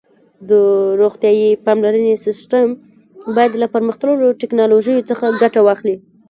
د روغتیايي پاملرنې سیسټم باید له پرمختللو ټکنالوژیو څخه ګټه واخلي.